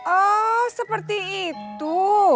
oh seperti itu